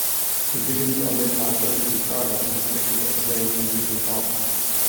The Ziggens are led by Bert Susanka who sings and plays rhythm guitar.